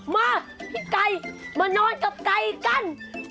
มาพี่ไก่มานอนกับไก่กัน